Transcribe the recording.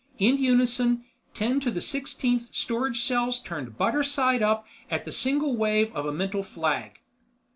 In unison, ten to the sixteenth storage cells turned butter side up at the single wave of a mental flag.